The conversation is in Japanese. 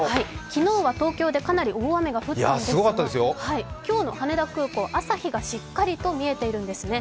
昨日は東京でかなり大雨が降ったんですが今日の羽田空港、朝日がしっかりと見えているんですね。